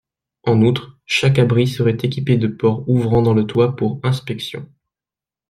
En outre, chaque abri serait équipé de ports ouvrant dans le toit pour inspection.